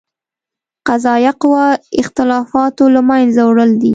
قضائیه قوه اختلافاتو له منځه وړل دي.